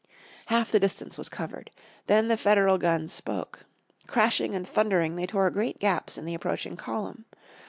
Half the distance was covered. Then the Federal guns spoke. Crashing and thundering they tore great gaps in the approaching column.